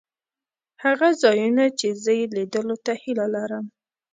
هغه ځایونه چې زه یې لیدلو ته هیله لرم.